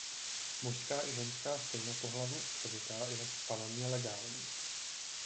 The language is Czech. Mužská i ženská stejnopohlavní aktivita je v Panamě legální.